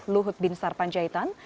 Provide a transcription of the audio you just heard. luhut bin sarpanjaitan